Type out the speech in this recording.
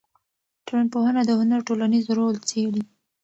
ټولنپوهنه د هنر ټولنیز رول څېړي.